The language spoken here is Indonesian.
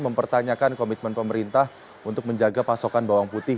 mempertanyakan komitmen pemerintah untuk menjaga pasokan bawang putih